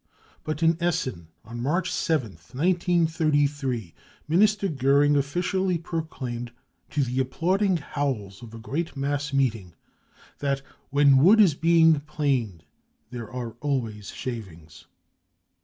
But at Essen on March 7th, 1933, Minister Goering officially proclaimed, to the applauding howls of a great mass meeting, that " when wood is being planed there are always shavings."